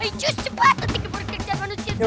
ayo cepat nanti berkerja manusia serigala